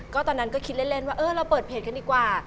ก็ตอนนั้นก็คิดเล่นว่าเออเราเปิดเพจกันดีกว่า